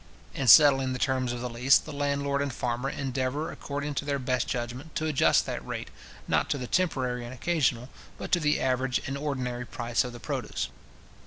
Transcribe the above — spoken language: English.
In settling the terms of the lease, the landlord and farmer endeavour, according to their best judgment, to adjust that rate, not to the temporary and occasional, but to the average and ordinary price of the produce.